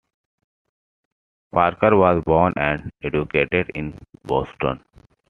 Parker was born and educated in Boston.